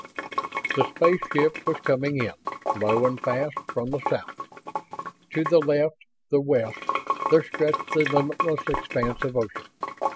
The space ship was coming in, low and fast, from the south. To the left, the west, there stretched the limitless expanse of ocean.